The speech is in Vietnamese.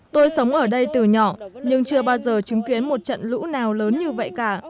tôi sống ở đây từ nhỏ nhưng chưa bao giờ chứng kiến một trận lũ nào lớn như vậy cả